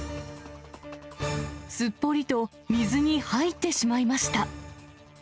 すっぽりと水に入ってしまいました。